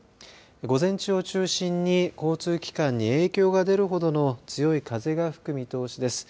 午前中を中心に交通機関に影響が出るほどの強い風が吹く見通しです。